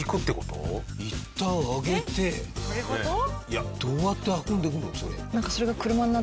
いったん上げてどうやって運んでいくの？